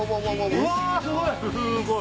うわすごい！